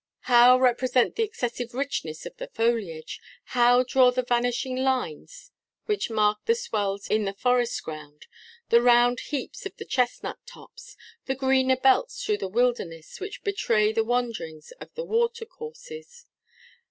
How represent the excessive richness of the foliage! How draw the vanishing lines which mark the swells in the forest ground, the round heaps of the chestnut tops, the greener belts through the wilderness which betray the wanderings of the water courses!